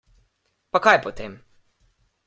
Pa kaj potem.